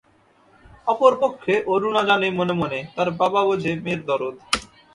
অপর পক্ষে অরুণা জানে মনে মনে, তার বাবা বোঝে মেয়ের দরদ।